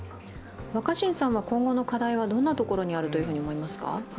若新さんは今後の課題はどんなところにあると思いますか。